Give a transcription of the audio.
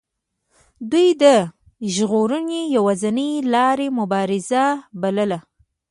دوی د ژغورنې یوازینۍ لار مبارزه بلله.